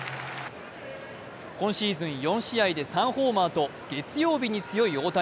今シーズン４試合で３ホーマーと月曜日に強い大谷。